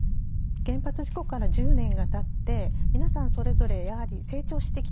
原発事故から１０年がたって皆さんそれぞれやはり成長してきた。